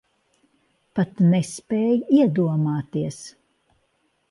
Pat nespēj iedomāties.